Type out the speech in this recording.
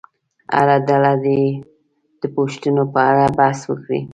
هره ډله دې د پوښتنو په اړه بحث وکړي.